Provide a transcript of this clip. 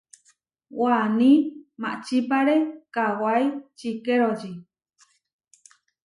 Waní maʼčipáre kawái čikeróči.